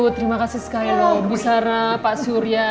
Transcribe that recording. terima kasih sekali buktara pak surya